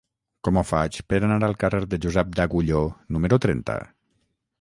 Com ho faig per anar al carrer de Josep d'Agulló número trenta?